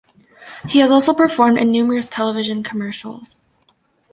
He has also performed in numerous television commercials.